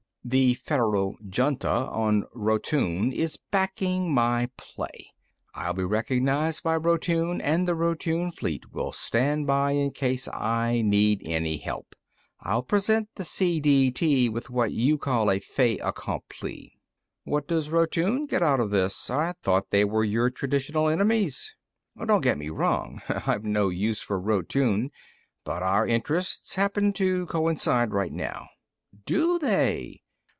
The Federal Junta on Rotune is backing my play. I'll be recognized by Rotune, and the Rotune fleet will stand by in case I need any help. I'll present the CDT with what you call a fait accompli." "What does Rotune get out of this? I thought they were your traditional enemies." "Don't get me wrong. I've got no use for Rotune; but our interests happen to coincide right now." "Do they?"